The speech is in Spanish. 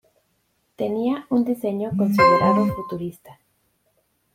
Tenía un diseño considerado futurista.